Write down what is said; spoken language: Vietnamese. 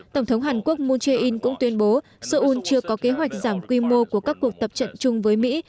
tổng thống hàn quốc moon jae in cũng tuyên bố seoul chưa có kế hoạch giảm quy mô của các cuộc tập trận chung với mỹ